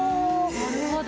なるほど。